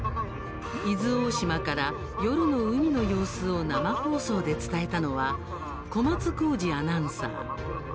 伊豆大島から夜の海の様子を生放送で伝えたのは小松宏司アナウンサー。